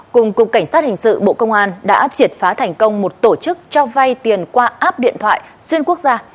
cùng cục cảnh sát hình sự bộ công an đã triệt phá thành công một tổ chức cho vay tiền qua app điện thoại xuyên quốc gia